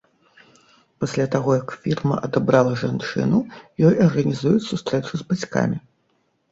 Пасля таго як фірма адабрала жанчыну, ёй арганізуюць сустрэчу з бацькамі.